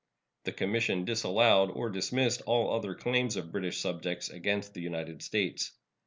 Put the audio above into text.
The commission disallowed or dismissed all other claims of British subjects against the United States.